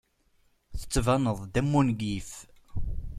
Tettbaneḍ-d am wungif.